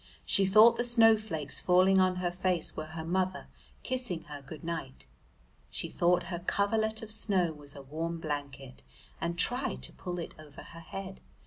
She thought the snowflakes falling on her face were her mother kissing her good night. She thought her coverlet of snow was a warm blanket, and tried to pull it over her head.